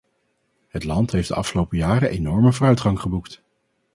Het land heeft de afgelopen jaren enorme vooruitgang geboekt.